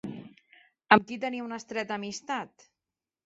Amb qui tenia una estreta amistat?